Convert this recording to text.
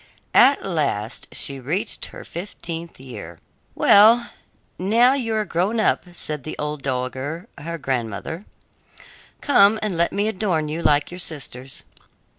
At last she reached her fifteenth year. "Well, now you are grown up," said the old dowager, her grandmother. "Come, and let me adorn you like your sisters."